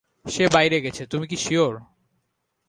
সে বাইরে গেছে তুমি কি সিওর?